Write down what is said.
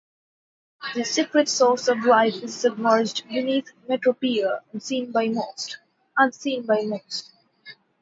This secret source of life is submerged beneath Metropia, unseen by most.